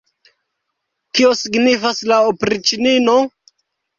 Kio signifas la opriĉnino?